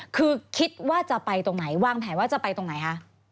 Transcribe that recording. คือคิดว่าจะไปตรงไหนวางแผนว่าจะไปตรงไหนคะ